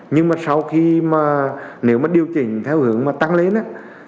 nhưng mà sau khi mà nếu mà điều chỉnh theo hướng mà tăng lên á